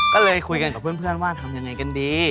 ก็เลยคุยกันกับเพื่อนว่าทำยังไงกันดี